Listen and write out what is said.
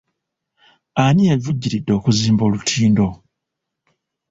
Ani eyavujjiridde okuzimba olutindo?